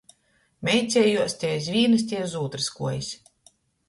Meicejuos te iz vīnys, te iz ūtrys kuojis.